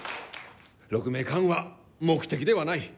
鹿鳴館は目的ではない。